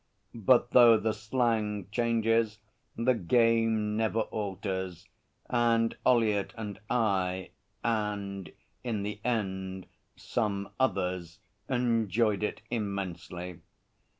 But though the slang changes the game never alters, and Ollyett and I and, in the end, some others enjoyed it immensely.